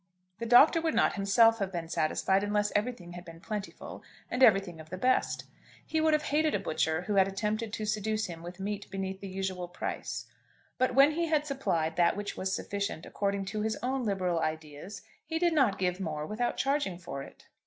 The Doctor would not himself have been satisfied unless everything had been plentiful, and everything of the best. He would have hated a butcher who had attempted to seduce him with meat beneath the usual price. But when he had supplied that which was sufficient according to his own liberal ideas, he did not give more without charging for it.